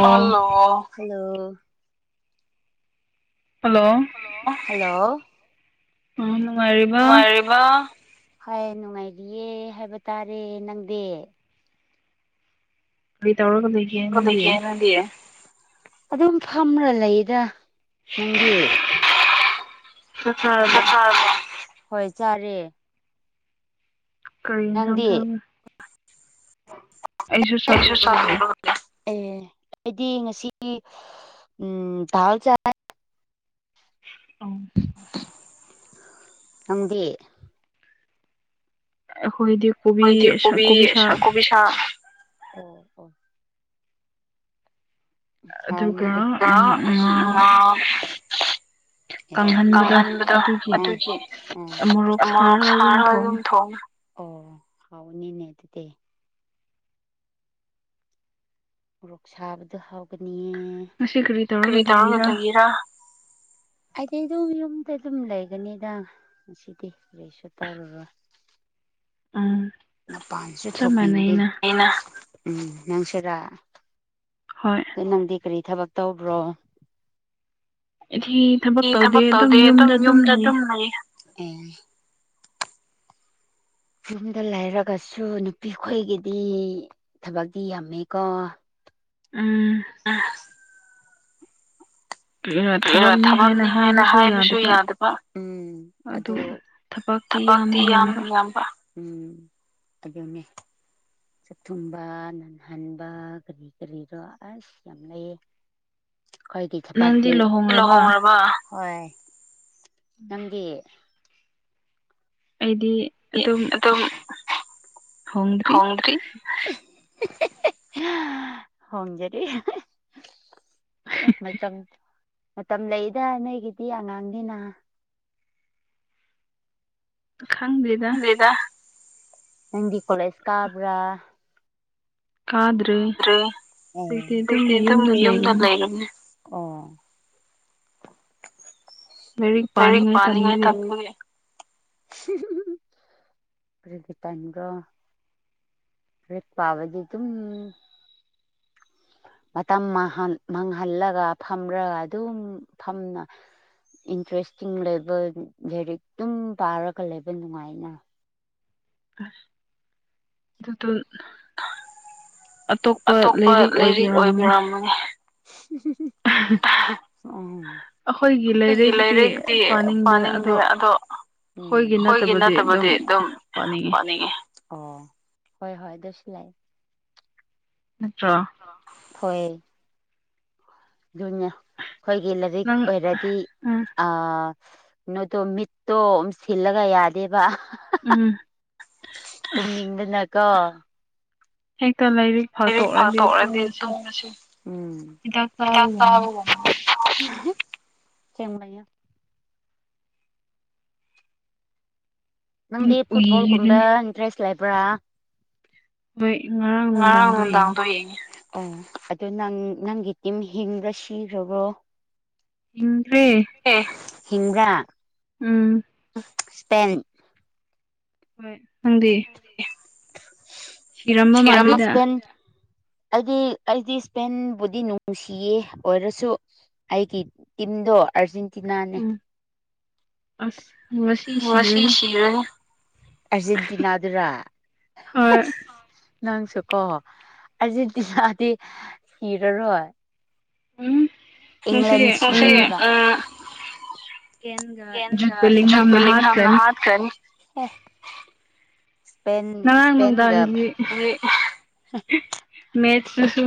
Hello hello. Hello. Hello hello. ꯑꯥ ꯅꯨꯡꯉꯥꯏꯔꯤꯕ ꯍꯣꯏ ꯅꯨꯡꯉꯥꯏꯔꯤꯌꯦ ꯍꯥꯏꯕ ꯇꯥꯔꯦ ꯅꯪꯗꯤ ꯀꯩ ꯇꯧꯔꯒ ꯂꯩ ꯑꯗꯨꯝ ꯐꯝꯝꯕ꯭ꯔꯥ ꯂꯩꯗ ꯅꯪꯗꯤ [inaudible] ꯑ ꯍ [inaudible] ꯆꯥꯛ ꯆꯥꯔꯕꯣ ꯍꯣꯏ ꯆꯥꯔꯦ ꯀꯔꯤ ꯏꯟꯁꯥꯡ ꯆꯥꯒꯦ ꯑꯩꯁꯨ ꯆꯠ [inaudible] ꯑꯦ ꯑꯩꯗꯤ ꯉꯁꯤ ꯎꯝ ꯗꯥꯜ ꯆꯥꯑꯦ꯫ ꯑꯧ꯫ ꯅꯪꯗꯤ꯫ ꯑꯩꯍꯣꯏꯗꯤ ꯍꯣꯏꯗꯤ ꯀꯣꯕꯤ ꯀꯕꯤ ꯁꯥ ꯑꫭ ꯑꫭ꯫ ꯍꯥꯎꯅꯤꯗ ꯑꯥ ꯎꯝ ꯎꯝ ꯑꯥ꯫ ꯑꯦ ꯀꯪꯍꯟꯕꯗꯣ ꯑꯗꯨꯒꯤ ꯃꯣꯔꯣꯛ ꯁꯥꯔꯒ ꯑꯗꯨꯝ ꯊꯣꯡꯑꯦ꯫ ꯑꯣ ꯍꯥꯎꯅꯤꯅꯦ ꯑꯗꯨꯗꯤ꯫ ꯃꯣꯔꯣꯛ ꯁꯥꯕꯗ ꯍꯥꯎꯒꯅꯤꯑꯦꯀꯔꯤ ꯇꯧꯔꯒ ꯂꯩꯔꯥ꯫ ꯍꯩꯗꯤ ꯑꯗꯨꯝ ꯌꯨꯝꯗ ꯑꯗꯨꯝ ꯂꯩꯒꯅꯤꯗꯪ ꯉꯁꯤꯗꯤ ꯀꯩꯁꯨ ꯇꯧꯔꯔꯣꯏ꯫ ꯎꯝ꯫ ꯃꯄꯥꯟꯁꯨ ꯊꯣꯛꯅꯤꯡꯗꯦ ꯑꯩꯅ ꯎꯝ ꯅꯪꯁꯨꯔꯥ꯫ ꯍꯣꯏ꯫ ꯗꫭ ꯅꯪꯗꯤ ꯀꯔꯤ ꯊꯕꯛ ꯇꯧꯕ꯭ꯔꯣ꯫ ꯑꯩ ꯊꯕꯛ ꯇꯧꯗꯦ ꯑꯗꯨꯝ ꯌꯨꯝꯗ ꯑꯗꯨꯝ ꯂꯩ ꯑꯦ꯫ ꯆꯤꯡꯗ ꯂꯩꯔꯒꯁꯨ ꯅꯨꯄꯤꯈꯣꯏꯒꯤꯗꯤ ꯊꯕꯛꯇꯤ ꯌꯥꯝꯃꯦꯀꯣ꯫ ꯎꯝ꯫ [inaudible] ꯊꯕꯛꯅꯤ ꯍꯥꯏꯅ ꯍꯥꯏꯕꯁꯨ ꯌꯥꯗꯕ ꯎꯝ ꯑꯗꫭ ꯊꯕꯇꯤ ꯌꯥꯝ ꯌꯥꯝꯕ ꯎꯝ ꯑꯗꯨꯅꯦ꯫ ꯆꯥꯛꯊꯨꯝꯕ ꯅꯟꯍꯟꯕ ꯀꯔꯤ ꯀꯔꯤꯔꯣ ꯑꯁ ꯌꯥꯝ ꯂꯩꯌꯦ꯫ ꯈꯣꯏꯗꯤ ꯊꯄꯥꯛꯇꯤ ꯂꯨꯍꫭꯡꯔꯕ ꯍꫭꯏ ꯅꯪꯗꯤ꯫ ꯑꯩꯗꯤ ꯑꯗꯨꯝ ꯍꫭꯡꯗ꯭ꯔꯤ꯫ [unintelligible] ꯍꫭꯡꯖꯔꯤ꯫ ꯑꯦ ꯃꯇꯝ ꯃꯇꯝ ꯂꯩꯗꯥ ꯅꯣꯏꯒꯤꯗꯤ ꯑꯉꯥꯡꯅꯤꯅ꯫ ꯈꯪꯗꯦꯗ꯫ ꯈꯪꯗꯦꯗ ꯅꯪꯗꯤ ꯀꯣꯂꯦꯖ ꯀꯥꯕ꯭ꯔꯥ꯫ [inaudible] ꯂꯩꯔꯤꯛ ꯄꯅꯤꯉꯥꯏ ꯇꯟꯕꯒꯤ [unintelligible] [inaudible] [inaudible] ꯃꯇꯝ ꯃꯥꯡꯍꯟ ꯃꯥꯡꯍꯜꯂꯒ ꯐꯝꯔꯒ ꯑꯗꯨꯝ ꯐꯝꯅ ꯏꯟꯇꯔꯦꯁꯇꯤꯡ ꯂꯩꯕꯦꯜ ꯂꯥꯏꯔꯤꯛ ꯑꯗꯨꯝ ꯄꯥꯔꯒ ꯂꯩꯕ ꯅꯨꯡꯉꯥꯏꯅ ꯑꯁꯤ ꯗꯨꯇꯨꯟ ꯑꯇꯣꯞꯄ ꯂꯥꯏꯔꯤꯛ ꯑꯣꯏꯕꯤꯔꯝꯃꯅꯤ ꯑꯍꯥ ꯎꯝ ꯑꯩꯈꯣꯏꯒꯤ ꯂꯥꯏꯔꯛꯇꯛꯇꯤ ꯄꯥꯅꯤꯡꯗꯦ ꯑꯗꯣ ꯎꯝ ꯍꯣꯏꯒꯤ ꯅꯠꯇꯕꯗꯤ ꯑꯗꯨꯝ ꯄꯥꯅꯤꯡꯉꯤ ꯑꯣ ꯍꯣꯏ ꯍꯣꯏ ꯑꯗꯨꯁꯨ ꯌꯥꯏꯌ‌ꯦ ꯅꯠꯇ꯭ꯔ‍‌‌ꯣ ꯊꯣꯏ ꯑꯗꯨꯅ ꯑꯩꯈꯣꯏꯒꯤ ꯂꯥꯏꯔꯤꯛ ꯑꯣꯏꯔꯗꯤ ꯑꯩ ꯅꯣꯗꯣ ꯃꯤꯠꯇꯣ ꯎꯝ ꯁꯤꯜꯂꯒ ꯌꯥꯗꯦꯕ꯫ [unintelligible] ꯇꯨꯝꯅꯤꯡꯗꯅꯀꯣ꯫ [inaudible] ꯍꯦꯛꯇ ꯂꯥꯏꯔꯤꯛ ꯐꯥꯛꯇꯣꯛꯔꯗꯤ ꯇꯨꯝꯕꯁꯤ ꯍꯤꯗꯥꯛ ꯆꯥꯕꯒꯨꯝꯕꯅꯤ꯫ [unintelligible] ꯅꯪꯗꯤ ꯐꯨꯠꯕꯣꯜꯒꯨꯝꯕꯗ ꯏꯟꯇꯔꯦꯁ ꯂꯩꯕ꯭ꯔꯥ꯫ ꯉꯔꯥꯡ ꯅꯨꯡꯗꯥꯡꯗꫭ ꯌꯦꯉꯦ꯫ ꯑꯣ ꯑꯗꯨ ꯅꯪ ꯅꯪꯒꯤ ꯇꯤꯝ ꯍꯤꯡꯕ꯭ꯔꯥ ꯁꯤꯈ꯭ꯔꯕ꯭ꯔꯣ꯫ ꯍꯤꯡꯈ꯭ꯔꯦ꯫ ꯑꯦ ꯍꯤꯕ꯭ꯔꯥ꯫ ꯎꯝ ꯁꯄꯦꯟ ꯍꯣꯏ ꯅꯪꯗꯤ [unintelligible] ꯁꯤꯔꯝꯕ ꯃꯥꯜꯂꯤꯗ ꯑꯩꯗꯤ ꯑꯩꯗꯤ ꯏꯁꯄꯦꯟꯕꯨꯗꯤ ꯅꯨꯡꯁꯤꯌꯦ ꯑꯣꯏꯔꯁꯨ ꯑꯩꯒꯤ ꯇꯤꯝꯗꯣ ꯑꯔꯖꯦꯟꯇꯤꯅꯥꯅꯦ ꯃꯨꯔꯁꯤ ꯁꯤꯔꯅꯤ ꯑꯔꯖꯦꯟꯇꯤꯅꯥꯗꯨꯔꯥ ꯅꯪꯁꯨ ꯀꯣꯍꯣ ꯑꯔꯖ‌ꯦꯟꯇꯤꯅꯗꯤ ꯁꯤꯔꯥꯔ‌ꯣꯏ ꯎꯝ ꯏꯪꯂ‌ꯦꯟꯁꯤ [unintelligible] [unintelligible] ꯏꯁꯄꯦꯟ ꯏꯁꯄꯦꯟꯒ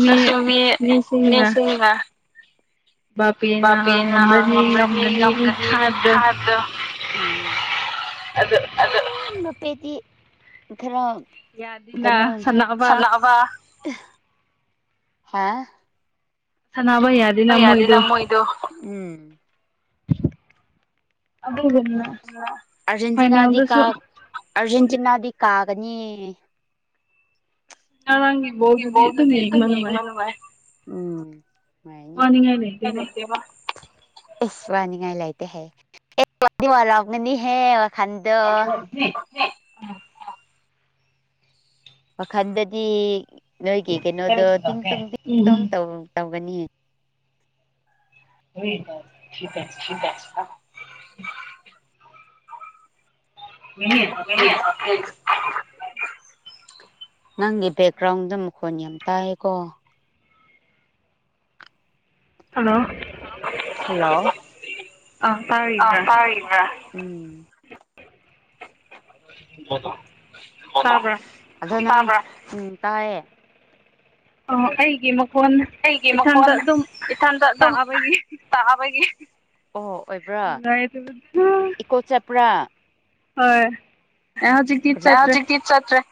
ꯆꯁꯨꯃ‌ꯦ ꯅꯦꯁꯤꯉ ꯕꯥꯕꯤꯦꯅ ꯉꯝꯒꯅꯤ ꯉꯝꯒꯅꯤ ꯍꯥꯏꯕꯗꯣ ꯑꯗꯨ ꯑꯗꯨꯝꯅꯨꯄꯤꯗꯤ ꯈꯔ ꯀꯩꯅꯣ ꯁꯅꯕ [unintelligible] ꯍꯥ ꯁꯥꯟꯅꯕ ꯌꯥꯗꯦꯅ ꯃꯣꯏꯗꯣ ꯑꯗꯨꯒꯨꯝꯅ ꯑꯥꯔꯖꯦꯟꯇꯤꯅꯥꯗꯤ ꯀ ꯑꯥꯔꯖꯦꯟꯇꯤꯅꯥꯗꯤ ꯀꯥꯒꯅꯤ ꯑꯉꯥꯡꯒꯤ ꯑꯗꯨꯝ ꯌ‌ꯦꯡꯕꯧꯗꯤ ꯌ‍ꯦꯡꯕ ꯅꯨꯡꯉꯥꯏ ꯎꯝ [unintelligible] ꯏꯁ ꯋꯥꯅꯤꯉꯥꯏ [unintelligible] ꯍꯥꯏ [unintelligible] ꯋꯥꯈꯜꯗꯗꯤ ꯅꯣꯏꯒꯤ ꯀꯩꯅꯣꯗꯣ ꯇꯤꯡ ꯇꯨꯡ ꯇꯤꯡ ꯇꯨꯡ ꯇꯧꯒꯅꯤ ꯑꯣꯏꯒ ꯊ [unintelligible] ꯎꯅꯤ [unintelligible] [unintelligible] ꯅꯪꯒꯤ ꯕꯦꯛꯒ꯭ꯔꯥꯎꯟꯗ ꯃꯈꯣꯟ ꯌꯥꯝ ꯇꯥꯏꯀꯣ ꯍꯜꯂꯣ ꯍꯜꯂꯣ ꯑ ꯄꯔꯤꯕ꯭ꯔ ꯎꯝ [unintelligible] ꯇꯕꯔꯥ ꯑꯗꯣ ꯅꯪ ꯇꯕ꯭ꯔꯥ ꯎꯝ ꯇꯥꯏꯌꯦ ꯑ ꯑꯩꯒꯤ ꯃꯈꯣꯟ ꯑꯩꯒꯤ ꯃꯈꯣꯟ ꯏꯊꯟꯗ ꯑꯗꯨꯝ ꯇꯥꯕꯒꯤ ꯑꯣ ꯑꯣꯏꯕ ꯕ꯭ꯔꯥ ꯏꯀꯣ ꯆꯠꯄ꯭ꯔꯥ ꯍꯣꯏ ꯑꯖꯤꯛꯇꯤ ꯆꯠꯇꯔꯦ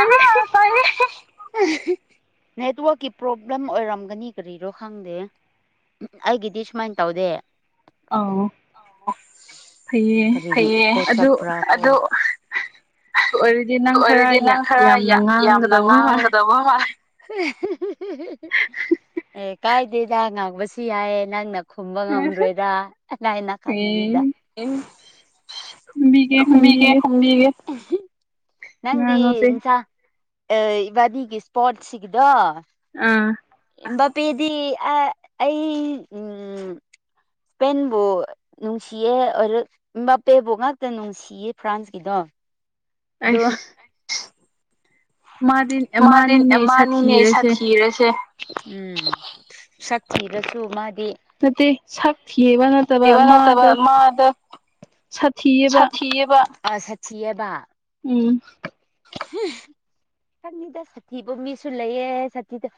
ꯑꯥ [unintelligible] [unintelligible] ꯅꯦꯠꯋꯛꯀꯤ ꯄ꯭ꯔꯣꯕ꯭ꯂꯦꯝ ꯑꯣꯏꯔꯝꯒꯅꯤ ꯀꯔꯤꯔꯣ ꯈꯪꯗꯦ ꯑꯩꯒꯤꯗꯤ ꯁꯨꯃꯥꯏ ꯇꯧꯗꯦ [unintelligible] ꯑꯗꯨ ꯑꯣꯏꯔꯗꯤ ꯅꯪ ꯈꯔ ꯌꯥ ꯌꯥꯝꯅ ꯉꯥꯡꯒꯗ [unintelligible] ꯑꯦ ꯀꯥꯏꯗꯦꯗ ꯉꯥꯡꯕꯁꯨ ꯌꯥꯏꯌꯦ ꯅꯪ ꯅ ꯈꯨꯝꯕ ꯉꯝꯗ꯭ꯔꯣꯏꯔꯥ ꯅꯥꯀꯟꯅꯤꯗ ꯈꯨꯝꯕꯤꯒꯦ ꯈꯨꯝꯕꯤꯒꯦ ꯎꯝꯕꯤꯒ‌ꯦ ꯑ‌ꯦꯍ‌ꯦ ꯅꯪꯗꯤ ꯏꯟꯆꯥ ꯑ ꯏꯕꯟꯅꯤꯒꯤ ꯏꯁꯄꯣꯔꯠ ꯁꯤꯒꯗꯣ ꯑꯥ ꯑꯝꯕꯄꯦꯗꯤ ꯑ ꯑꯩ ꯎꯝ ꯄꯦꯟꯕꯨ ꯅꯨꯡꯁꯤꯌꯦ ꯑꯃꯕꯥꯄꯦꯕꯨ ꯉꯥꯛꯇ ꯅꯨꯡꯁꯤꯌꯦ ꯐ꯭ꯔꯥꯟꯁꯀꯤꯗꯣ ꯑꯁ ꯃꯥꯗꯤ ꯑꯃꯟꯅꯤꯅꯦ ꯑꯩ ꯁꯥꯊꯤꯔꯁꯦ ꯎꯝ ꯁꯛ ꯊꯤꯔꯁꯨ ꯃꯗꯤ ꯅꯠꯇꯦ ꯁꯛ ꯊꯤꯕ ꯅꯠꯇꯕ ꯃꯥ ꯑꯗꯥ ꯃꯥꯗ ꯁꯥꯊꯤꯌꯦꯕ ꯁꯥꯊꯤꯌꯦꯕ ꯎꯝ ꯍꯝ ꯈꯪꯏꯗ ꯁꯥꯊꯤꯕ ꯃꯤꯁꯨ ꯂꯩꯌꯦ ꯁꯥꯊꯤꯗ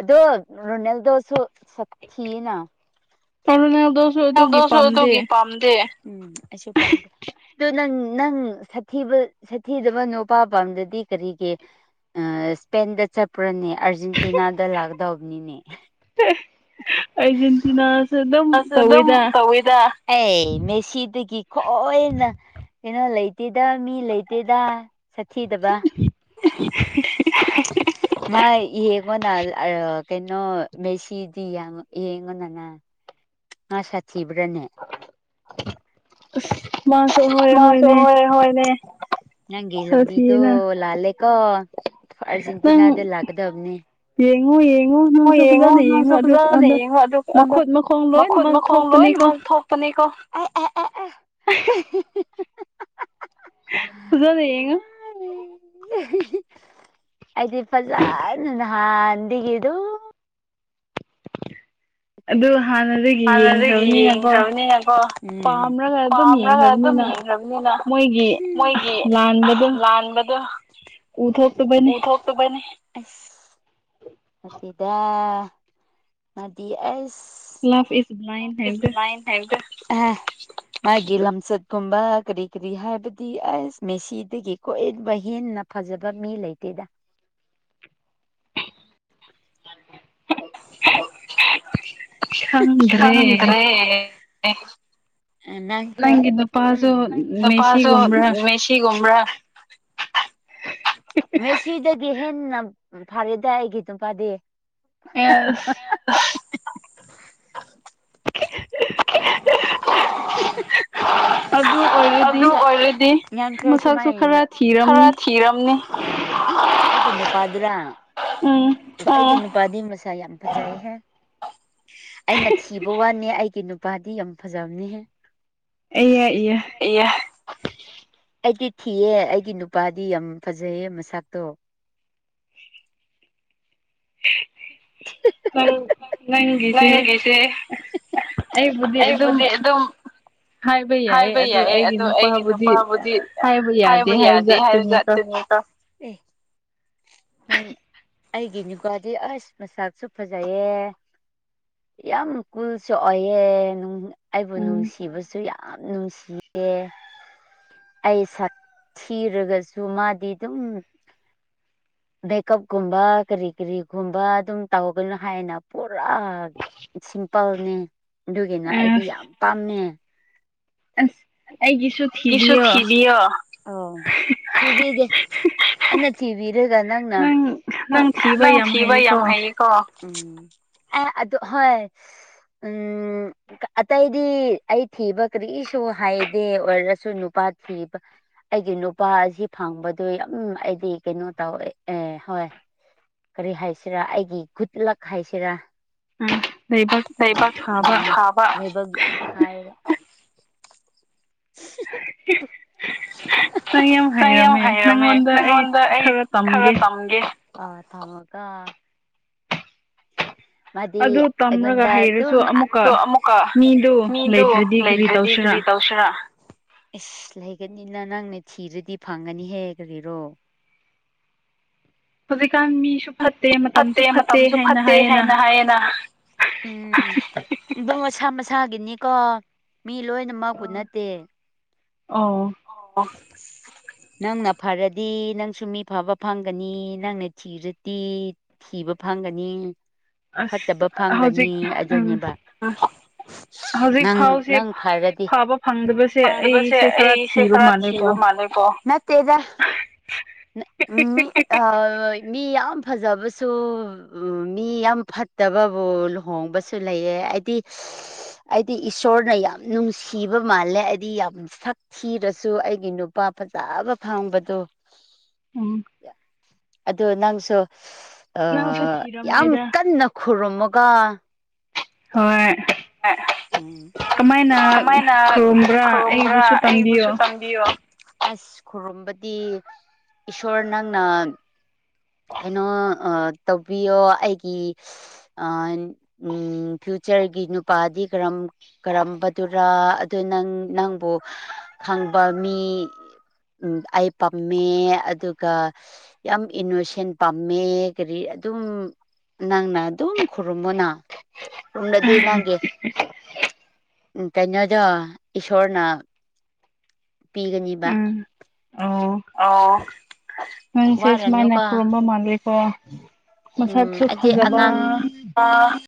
ꯑꯗꯣ ꯔꯣꯅꯦꯜꯗꯁꯨ ꯁꯥꯊꯤꯅ [unintelligible] ꯗꯁꯨ ꯑꯗꯨꯒꯤ ꯄꯥꯝꯗꯦ ꯎꯝ ꯑꯩꯁꯨ ꯄꯥꯝꯗꯦ ꯑꯗꫭ ꯅꯪ ꯅꯪ ꯁꯥꯊꯤꯕ ꯁꯥꯊꯤꯗꯕ ꯅꯨꯄꯥ ꯄꯥꯝꯗꯗꯤ ꯀꯔꯤꯒꯤ ꯑ ꯏꯁꯄꯦꯟꯗ ꯆꯠꯄ꯭ꯔꯅꯦ ꯑꯥꯔꯖꯦꯟꯇꯤꯅꯥꯗ ꯂꯥꯛꯀꯗꯧꯕꯅꯤꯅꯦ ꯑꯔꯖꯦꯟꯇꯤꯅꯥꯁꯨꯦ ꯑꯗꯨꯝ ꯇꯧꯏꯗ ꯑꯦ ꯃꯦꯁꯤꯗꯒꯤ ꯈꯣꯏꯅ ꯀꯩꯅꯣ ꯂꯩꯇꯦꯗ ꯃꯤ ꯂꯩꯇꯦꯗ ꯁꯥꯊꯤꯗꯕ ꯃꯥꯏ ꯌꯦꯡꯉꯣꯅ ꫰ ꯑ ꯀꯩꯅꯣ ꯃꯦꯁꯤ [unintelligible] ꯌꯦꯡꯉꯨꯅꯅ ꯉꯥ ꯁꯥꯊꯤꯕ꯭ꯔꯅꯦ [inaudible] ꯃꯥꯁꯨꯍꫭꯏ ꯃꯁꯨ ꯍꯣꯏ-ꯍꯣꯏꯅꯦ ꯅꯪꯒꯤ ꯂꯝꯕꯤꯗꯨꯣ ꯂꯜꯂꯦꯀꯣ ꯑꯔꯖꯦꯟꯇꯤꯅꯥꯗ ꯂꯛꯀꯗꯕꯅꯤ ꯍꫭꯏ ꯌꯦꯡꯉꯣ ꯅꯪꯁꯨ ꯐꯖꯅ ꯌꯦꯡꯉꯣ‌ ꯑꯗꯨ ꯃꯈꯨꯠ ꯃꯈꫭ ꯈꯣꯡ ꯂꯣꯏꯅꯃꯛ ꯊꯣꯛꯄꯅꯤꯀꯣ [unintelligible] ꯐꯖꯅ ꯌꯦꯡꯉꫭ ꯑꯩꯗꯤ ꯐꯖꯅ ꯅꯍꯥꯟꯗꯒꯤ [inaudible] ꯑꯗꯨ ꯍꯥꯟꯅꯗꯒꯤ ꯌꯦꯡꯈ꯭ꯔꯕꯅꯤꯅꯀꯣ ꯄꯥꯝꯔꯒ ꯑꯗꯨꯝ ꯌꯦꯡꯈ꯭ꯔꯕꯅꯤꯅ ꯃꯣꯏꯒꯤ ꯂꯥꯟꯕꯗꯣ ꯎꯊꯣꯛꯇꯕꯅꯤ [inaudible] ꯅꯠꯇꯦꯗꯥ ꯃꯥꯗꯤ ꯑꯁ ꯂꯞ ꯏꯁ‌ ꯕ꯭ꯂꯥꯏ ꯍꯥꯏꯕꯗꯨ ꯑꯥ ꯃꯥꯒꯤ ꯂꯝꯆꯠꯀꯨꯝꯕ ꯀꯔꯤ ꯀꯔꯤ ꯍꯥꯏꯕꯗꯤ ꯑꯁ ꯃꯦꯁꯤꯗꯒꯤ [unintelligible] ꯐꯖꯕ ꯃꯤ ꯂꯩꯇꯦꯗ ꯈꯪꯗ꯭ꯔꯦꯅꯦ ꯅꯪꯁꯨ ꯅꯨꯄꯥꯁꯨ ꯃꯦꯁꯤ ꯒꯨꯝꯕꯔ [inaudible] ꯃꯦꯁꯤꯗꯒꯤ ꯍꯦꯟꯅ ꯐꯔꯦꯗ ꯑꯩꯒꯤ ꯅꯨꯄꯥꯗꯤ ꯑꯦꯁ ꯑꯁ [inaudible] ꯑꯗꯨ ꯑꯣꯏꯔꯗꯤ ꯃꯁꯛꯁꯨ ꯈꯔ ꯊꯤꯔꯝꯅꯤ ꯀꯤꯔꯝꯅꯤ ꯑꯩꯒꯤ ꯅꯨꯄꯥꯗꯨꯔ ꯎꯝ ꯑꯩꯒꯤ ꯅꯨꯄꯥꯗꯤ ꯃꯁꯛ [unintelligible] ꯌꯥꯝ ꯐꯖꯩꯍꯦ ꯑꯩꯅ ꯊꯤꯕ ꯋꯥꯅꯦ ꯑꯩꯒꯤ ꯅꯨ ꯅꯨꯄꯥꯗꯤ ꯌꯥꯝ ꯐꯖꯕꯅꯦꯍꯦ ꯑꯦꯌ ꯏꯌꯦ ꯑꯩꯗꯤ ꯊꯤꯌꯦ ꯑꯩꯒꯤ ꯅꯨꯄꯥꯗꯤ ꯌꯥꯝ ꯐꯖꯩꯌꯦ ꯃꯁꯛꯇꯣ [inaudible] ꯅꯪꯒꯤꯁꯦ ꯑꯩꯕꯨꯗꯤ ꯑꯗꯨꯝ ꯍꯥꯏꯕ ꯌꯥꯏ ꯑꯗꯣ ꯑꯩꯒꯤ ꯅꯨꯄꯥꯕꯨꯗꯤ ꯍꯥꯏꯕ ꯌꯥꯗꯦ [unintelligible] ꯅꯪ ꯑꯩꯒꯤ ꯅꯨꯄꯥꯗꯤ ꯑꯁ ꯃꯁꯛꯁꯨ ꯐꯖꯩꯌꯦ ꯌꯥꯝ ꯀꯨꯜꯁꯨ ꯑꯣꯏꯌꯦ ꯅꯨꯡ ꯑꯩꯕꯨ ꯅꯨꯡꯁꯤꯕꯁꯨ ꯌꯥꯝ ꯅꯨꯡꯁꯤꯗꯦ ꯑꯩ ꯁꯥꯛ ꯊꯤꯔꯒꯁꯨ ꯃꯥꯗꯤ ꯑꯗꯨꯝ ꯕꯦꯛꯀꯞꯀꯨꯝꯕ ꯀꯔꯤ ꯀꯔꯤꯒꯨꯝꯕ ꯑꯗꯨꯝ ꯇꯧꯒꯅꯣ ꯍꯥꯏꯅ ꯄꯨꯔꯥ ꯁꯤꯝꯄꯜꯅꯦ ꯑꯗꯨꯒꯤꯅ ꯑꯩꯗꯤ ꯌꯥꯝ ꯄꯥꯝꯕꯅ‌ꯦ ꯑꯩꯒꯤꯁꯨ ꯊꯤꯕꯤꯌꯣ ꯑꯣ ꯊꯤꯕꯤꯒꯦ ꯑꯩꯅ ꯊꯤꯕꯤꯔꯒ ꯅꯪꯅ ꯅꯪ ꯊꯤꯕ ꯌꯥꯝ ꯍꯩꯌꯦꯀꯣ ꯎꯝ ꯑ ꯑꯗꯨ ꯍꯣꯏ ꯎꯝ ꯑꯇꯩꯗꯤ ꯑꯩ ꯊꯤꯕ ꯀꯔꯤꯁꯨ ꯍꯥꯏꯗꯦ ꯑꯣꯏꯔꯁꯨ ꯅꯨꯄꯥ ꯊꯤꯕ ꯑꯩꯒꯤ ꯅꯨꯄꯥ ꯑꯁꯤ ꯐꯪꯕꯗꯨ ꯌꯥꯝ ꯑꯩꯗꯤ ꯀꯩꯅꯣ ꯇꯧꯋꯦ ꯑꯦ ꯍꯣꯏ ꯫ ꯀꯔꯤ ꯍꯥꯏꯁꯤꯔꯥ ꯑꯩꯒꯤ ꯒꯨꯗ ꯂꯛ ꯍꯥꯏꯁꯤꯔꯥ ꯂꯩꯕꯥꯛ ꯊꯥꯕ ꯍꯩꯕ ꯌꯥꯝ [unintelligible] [inaudible] ꯅꯪ ꯌꯥꯝ ꯍꯥꯏꯔꯝꯃꯦ ꯅꯪꯉꯣꯟꯗ ꯑꯩ ꯈꯔ ꯇꯝꯒꯦ ꯑ ꯊꯃꯒ ꯃꯗꯤ ꯑꯩꯉꯣꯟꯗ ꯑꯗꯨꯝ ꯑꯗꯣ ꯑꯃꯨꯛꯀ ꯃꯤꯗꯣ ꯂꯩ꯭ꯔꯗꯤ ꯀꯔꯤ ꯇꯧꯁꯤꯔ [inaudible] ꯏꯁꯁ ꯂꯩꯒꯅꯤꯅ ꯅꯪꯅ ꯊꯤꯔꯗꯤ ꯐꯪꯒꯅꯤꯍꯦ ꯀꯔꯤꯔꯣ ꯍꯧꯖꯤꯛꯀꯥꯟ ꯃꯤꯁꯨ ꯐꯠꯇꯦ ꯃꯇꯝꯁꯨ ꯐꯠꯇꯦ ꯍꯥꯏꯅ ꯍꯥꯏꯌꯦꯅ ꯎꯝ ꯃꯁꯥ ꯃꯁꯥꯒꯤꯅꯤꯀꯣ ꯃꯤ ꯂꯣꯏꯅ ꯃꯥꯕꯨ ꯅꯠꯇꯦ ꯑꯥꯎ ꯑꯣ ꯅꯪꯅ ꯐꯔꯗꯤ ꯅꯪꯁꯨ ꯃꯤ ꯐꯕ ꯐꯪꯒꯅꯤ ꯅꯪꯅ ꯊꯤꯔꯗꯤ ꯊꯤꯕ ꯐꯪꯒꯅꯤ ꯐꯠꯇꯕ ꯐꯪꯒꯅꯤ ꯑꯗꯨꯅꯦꯕ ꯅꯪ ꯅꯪ ꯐꯔꯗꯤ ꯄꯥꯝꯕ ꯐꯪꯗꯕꯁꯦ ꯑꯩ [inaudible] ꯈꯔ ꯊꯤꯕ ꯃꯥꯜꯂꯦꯀꫭ ꯅꯠꯇꯦꯗ ꯃꯤ ꯥꯥꯑꯥ ꯃꯤ ꯌꯥꯝ ꯐꯖꯕꯁꯨ ꯃꯤ ꯌꯥꯝ ꯐꯠꯇꯕꯕꯨ ꯂꯨꯍꯣꯡꯕꯁꯨ ꯂꯩꯌꯦ ꯍꯥꯏꯗꯤ ꯑꯩꯗꯤ ꯏꯁꯣꯔꯅ ꯌꯥꯝ ꯅꯨꯡꯁꯤꯕ ꯃꯥꯜꯂꯦ ꯑꯩꯗꯤ ꯌꯥꯝ ꯁꯛ ꯊꯤꯔꯁꯨ ꯑꯩꯒꯤ ꯅꯨꯄꯥ ꯐꯖꯕ ꯐꯪꯕꯗꯣ ꯎꯝ ꯑꯗꫭ ꯅꯪꯁꯨ ꯑꯥ ꯌꯥꯝ ꯀꯟꯅ ꯈꯨꯔꯨꯝꯃꯒꯥ ꯍꯣꯏ ꯎ ꯀꯃꯥꯏꯅ ꯈꯨꯔꯨꯝꯕ꯭ꯔꯥ ꯑꯩꯕꯨꯁꯨꯝ ꯇꯝ ꯕꯤꯔꯣ ꯑꯁ ꯈꯨꯔꯨꯝꯕꯗꯤ ꯏꯁꯣꯔ ꯅꯪꯅ ꯀꯩꯅꯣ ꯇꯧꯕꯤꯌꯣ ꯑꯩꯒꯤ ꯎꯝ ꯐ꯭ꯌꯨꯆꯔꯒꯤ ꯅꯨꯄꯥꯗꯤ ꯀꯔꯝ ꯀꯔꯝꯕꯗꯨꯔꯥ ꯑꯗꯨ ꯅꯪ ꯅꯪꯕꯨ ꯐꯪꯕ ꯃꯤ ꯎꯝ ꯑꯩ ꯄꯥꯝꯃꯦ ꯑꯗꯨꯒ ꯌꯥꯝ ꯏꯅꯣꯁ ꯁꯦꯟ ꯄꯥꯝꯃꯦ ꯀꯔꯤ ꯑꯗꯨꯝ ꯅꯪꯅ ꯑꯗꯨꯝ ꯈꯨꯔꯨꯝꯃꯣꯅ ꯎꯗꯤ ꯅꯪꯒꯤ ꯀꯩꯅꯣꯘ ꯏꯁꯁꯣꯔꯅ ꯄꯤꯒꯅꯤꯕ ꯑꯣ ꯅꯪꯁꯦ ꯁꯨꯃꯥꯏꯅ ꯈꯨꯔꯨꯝꯕ ꯃꯥꯜꯂꯦꯀꯣ ꯎꯝ ꯑꯩꯗꯤ ꯑꯉꯥꯡ ꯕ